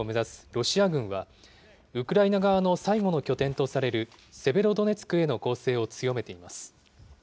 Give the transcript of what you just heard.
ロシア軍は、ウクライナ側の最後の拠点とされるセベロドネツクへの攻勢を強めています。